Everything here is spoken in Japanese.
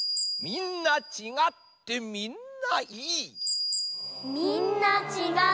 みんなちがってみんないい。